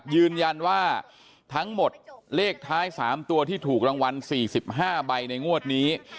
ยืนยันว่าทั้งหมดเลขท้าย๓ตัวที่ถูกรางวัล๔๕ใบในงวดนี้